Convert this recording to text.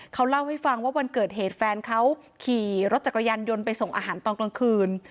เขาเล่าให้ฟังว่าวันเกิดเหตุแฟนเขาขี่รถจักรยานยนต์ไปส่งอาหารตอนกลางคืน